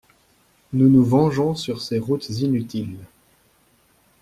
Nous nous vengeons sur ces routes inutiles.